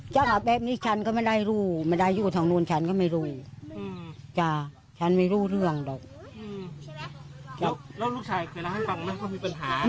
รู้ซึ่งฉันไม่รู้เรื่องหรอกแล้วลูกชายเป็นไรมาได้ปัญหา